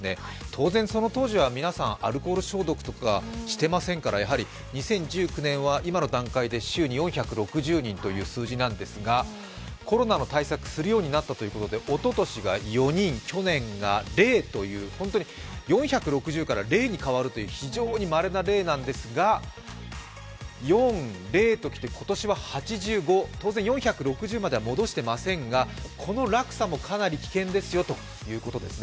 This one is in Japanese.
当然その当時は、皆さんアルコール消毒とかしてませんからやはり２０１９年は今の段階で週に４６０人という数字なんですが、コロナの対策をするようになったということで、おととしが４人、去年が０という、本当に４６０から０に変わるという非常にまれな例なんですが４、０ときて今年は８５、当然４６０までは戻していませんがこの落差もかなり危険ですよということです。